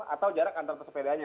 atau jarak antar persepedanya